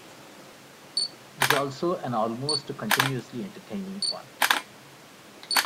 It is also an almost continuously entertaining one.